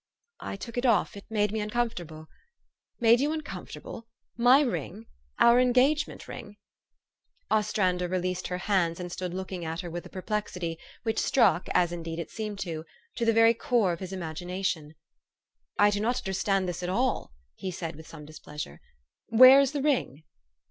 "" I took it off. It made me uncomfortable." "Made you uncomfortable my ring our en gagement ring? " 220 THE STORY OF AVIS. Ostrander released her hands, and stood looking at her with a perplexity which struck, as indeed it seemed to, the very core of his imagination. "I do not understand this at all," he said with some displeasure. " Where is the ring?